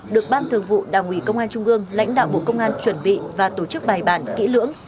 được ban thường vụ đảng ủy công an trung ương lãnh đạo bộ công an chuẩn bị và tổ chức bài bản kỹ lưỡng